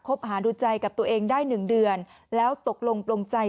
หาดูใจกับตัวเองได้๑เดือนแล้วตกลงปลงใจ